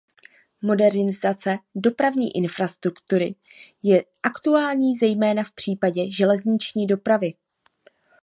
Modernizace dopravní infrastruktury je aktuální zejména v případě železniční dopravy.